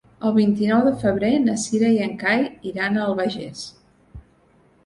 El vint-i-nou de febrer na Cira i en Cai iran a l'Albagés.